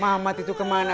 mama itu kemana